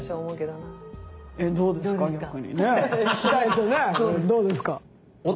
どうですか？